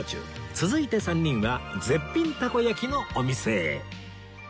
続いて３人は絶品たこ焼きのお店へ